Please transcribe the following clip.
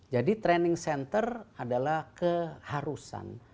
jadi training center adalah keharusan